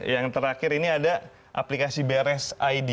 yang terakhir ini ada aplikasi beres id